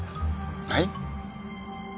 はい？